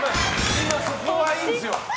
今、そこはいいんですよ。